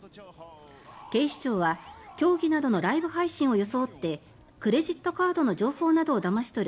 警視庁は競技などのライブ配信を装ってクレジットカードの情報などをだまし取る